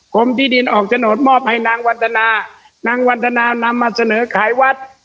กรมที่ดินออกโฉนดมอบให้นางวันธนานางวันธนานำมาเสนอขายวัด